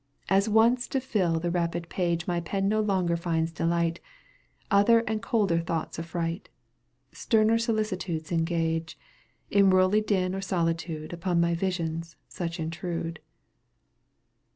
As once, to fill the rapid page My pen no longer finds delight. Other and colder thoughts afifright, Sterner solicitudes engage, In worldly din or solitude Upon my visions such intrude.